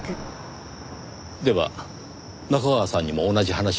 では中川さんにも同じ話を？